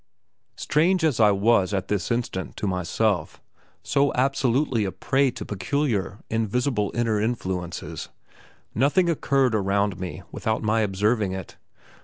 Strange as I was at this instant to myself, so absolutely a prey to peculiar invisible inner influences, nothing occurred around me without my observing it.